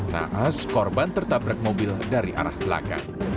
naas korban tertabrak mobil dari arah belakang